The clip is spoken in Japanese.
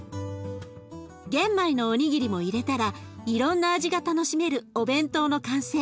玄米のおにぎりも入れたらいろんな味が楽しめるお弁当の完成。